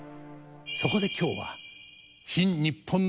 そこで今日は「新・にっぽんの芸能」